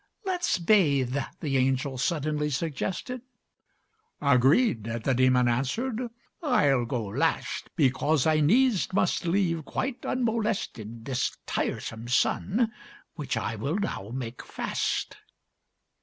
"Let's bathe," the angel suddenly suggested. "Agreed," the demon answered. "I'll go last, Because I needs must leave quite unmolested This tiresome sun, which I will now make fast.